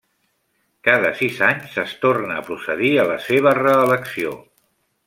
Cada sis anys es torna a procedir a la seva reelecció.